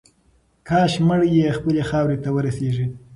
کاش مړی یې خپلې خاورې ته ورسیږي.